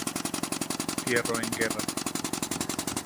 Fierro en Guerra".